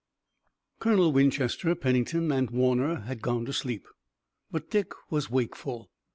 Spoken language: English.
Colonel Winchester, Pennington and Warner had gone to sleep, but Dick was wakeful.